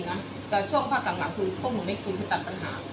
แต่เวลาพักกลับงานคุณไม่ใช่ที่จะจัดปัญหา